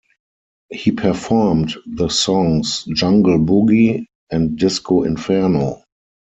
He performed the songs "Jungle Boogie" and "Disco Inferno".